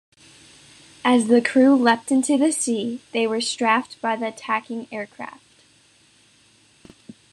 As the crew leapt into the sea, they were strafed by the attacking aircraft.